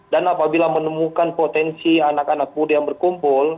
dan apabila menemukan potensi anak anak muda yang berkumpul